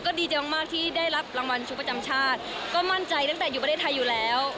ดีใจมากที่ได้รับรางวัลชุดประจำชาติก็มั่นใจตั้งแต่อยู่ประเทศไทยอยู่แล้ว